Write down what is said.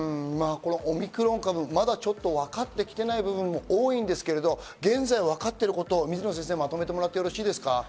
オミクロン株、まだちょっとわかってきていない部分もあるんですけれども、現在わかっていることをまとめてもらってよろしいですか。